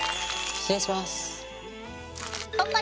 失礼します。